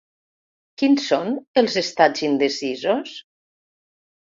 Quins són els estats indecisos?